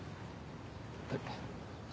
えっ。